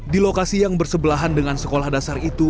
di lokasi yang bersebelahan dengan sekolah dasar itu